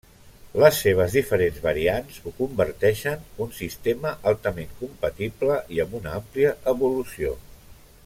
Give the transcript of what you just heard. Les seves diferents variants ho converteixen un sistema altament compatible i amb una àmplia evolució.